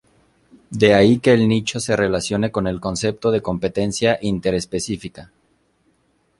De ahí que el nicho se relacione con el concepto de competencia interespecífica.